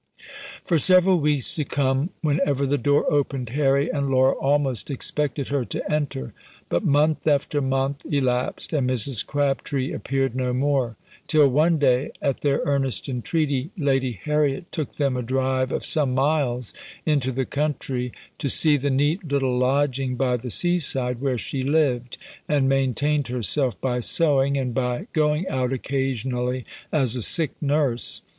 For several weeks to come, whenever the door opened, Harry and Laura almost expected her to enter, but month after month elapsed, and Mrs. Crabtree appeared no more, till one day, at their earnest entreaty, Lady Harriet took them a drive of some miles into the country, to see the neat little lodging by the sea side where she lived, and maintained herself by sewing, and by going out occasionally as a sick nurse.